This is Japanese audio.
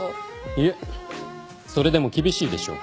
いえそれでも厳しいでしょう。